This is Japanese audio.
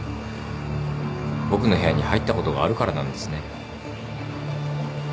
僕の部屋に入ったことがあるからなんですね。